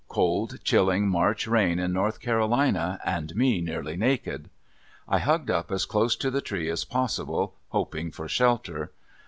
Cold chilling March rain in North Carolina, and me nearly naked. I hugged up as close to the tree as possible hoping for shelter.